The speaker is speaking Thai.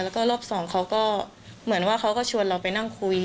แล้วก็รอบสองเขาก็เหมือนว่าเขาก็ชวนเราไปนั่งคุย